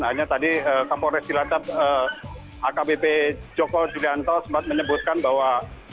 hanya tadi kapolres cilacap akbp joko julianto sempat menyebutkan bahwa